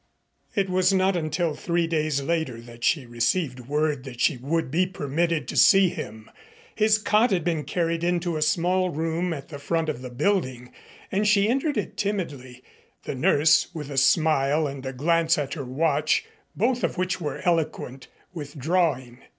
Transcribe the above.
It was not until three days later that she received word that she would be permitted to see him. His cot had been carried into a small room at the front of the building, and she entered it timidly, the nurse, with a smile and a glance at her watch, both of which were eloquent, withdrawing.